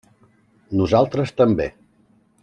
Nosaltres també.